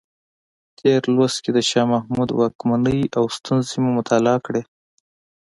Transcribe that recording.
تېر لوست کې د شاه محمود واکمنۍ او ستونزې مو مطالعه کړې.